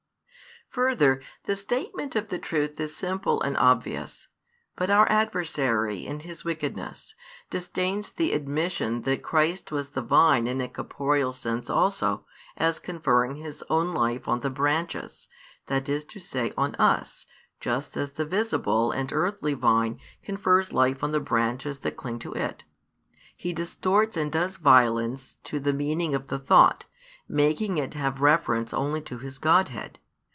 Further, the statement of the truth is simple and obvious; but our adversary, in his wickedness, disdains the admission that Christ was the Vine in a corporeal sense also, as conferring His own Life on the branches, that is to say on us, just as the visible and earthly vine confers life on the branches that cling to it. He distorts and does violence to the meaning of the thought, making it have reference only to His Godhead.